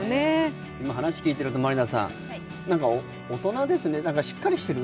今話を聞いていると大人ですね、しっかりしてる。